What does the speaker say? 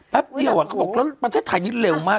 แป๊บเดี๋ยวเขาบอกประเทศไทยนิดเร็วมาก